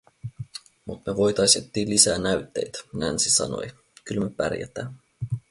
"Mut me voitais ettii lisää näytteit", Nancy sanoi, "kyl me pärjätää".